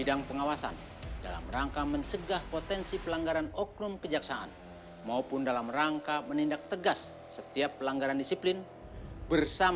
aparat penegak hukum